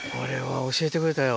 教えてくれたよ